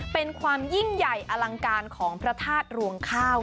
เป็นความยิ่งใหญ่อลังการของพระธาตุรวงข้าว